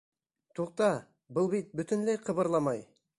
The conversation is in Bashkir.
Туҡта, был бит бөтөнләй ҡыбырламай!